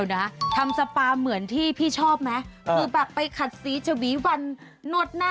อย่างที่พี่ชอบไหมคือแบบไปขัดศรีจะหวีวันนดหน้า